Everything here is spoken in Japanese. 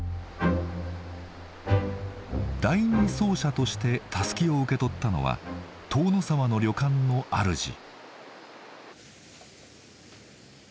第２走者としてたすきを受け取ったのは塔ノ沢の旅館のあるじ。